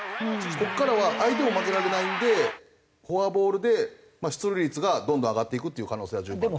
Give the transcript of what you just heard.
ここからは相手も負けられないんでフォアボールで出塁率がどんどん上がっていくっていう可能性は十分あると。